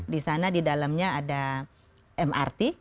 di sana di dalamnya ada mrt